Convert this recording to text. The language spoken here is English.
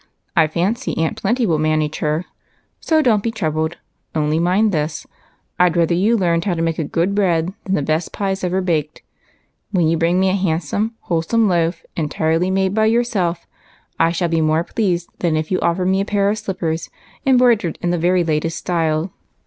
I fancy Aunt BREAD AND BUTTON HOLES. 183 Plenty will manage her, so don't be troubled. Only mind this, I 'd rather you learned how to make good bread than the best pies ever baked. When you bring me a handsome, wholesome loaf, entirely made by your self, I shall be more pleased than if you offered me a pair of slippers embroidered in the very latest style.